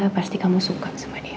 pasti kamu suka sama dia